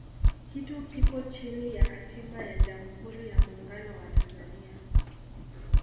kitu kipo chini ya katiba ya jamhuri ya muungano wa tanzania